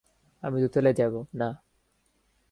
আমি দোতলায় যাব, না।